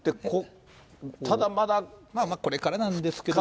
まだこれからなんですけど。